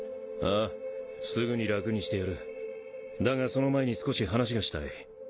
あすぐに楽にしだがその前に少し話がしたい